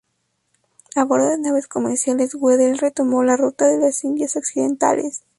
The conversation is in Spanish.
A bordo de naves comerciales, Weddell retomó la ruta de las Indias Occidentales.